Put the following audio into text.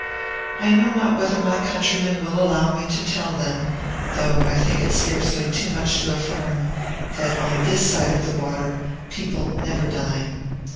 I know not whether my countrymen will allow me to tell them, though I think it scarcely too much to affirm, that on this side of the water, people never dine.